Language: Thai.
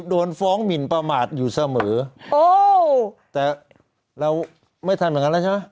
โดนฟ้องหมินประมาทอยู่เสมอแต่เราไม่ทันเหมือนกันแล้วใช่ไหม